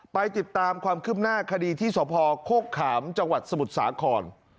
ไปติดตามความคืบหน้าคดีที่สพโคกขามจังหวัดสมุทรสาคร